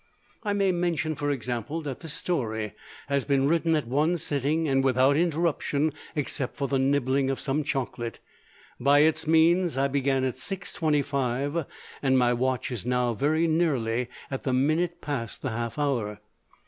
I may mention, for example, that this story has been written at one sitting and without interruption, except for the nibbling of some chocolate, by its means. I began at 6.25, and my watch is now very nearly at the minute past the half hour.